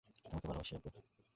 তোমাকে ভালোবাসি, আব্বু!